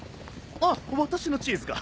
あっ私のチーズが。